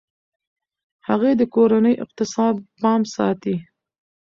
هغې د کورني اقتصاد پام ساتي.